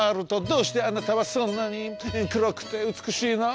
どうしてあなたはそんなにくろくてうつくしいの？